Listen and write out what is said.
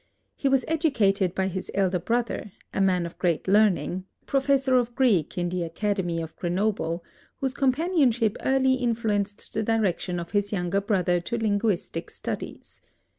He was educated by his elder brother, a man of great learning, professor of Greek in the Academy of Grenoble, whose companionship early influenced the direction of his younger brother to linguistic studies.